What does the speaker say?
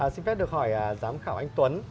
xin phép được hỏi giám khảo anh tuấn